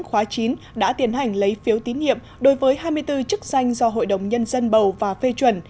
khóa chín đã tiến hành lấy phiếu tín nhiệm đối với hai mươi bốn chức danh do hội đồng nhân dân bầu và phê chuẩn